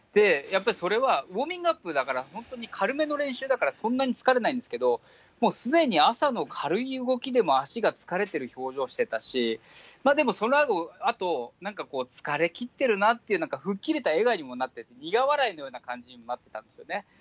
やっぱりそれはウォーミングアップだから、本当に軽めの練習だから、そんなに疲れないんですけど、もうすでに朝の軽い動きでも足が疲れてる表情してたし、まあ、でもそのあと、なんかこう疲れきってるなっていうか、吹っ切れた笑顔にもなってて、苦笑いのような感じになったんですよね。